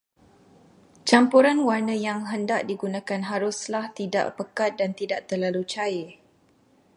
Campuran warna yang hendak digunakan haruslah tidak pekat dan tidak terlalu cair.